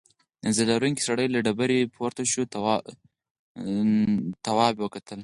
نیزه لرونکی سړی له ډبرې پورته شو تواب وکتل.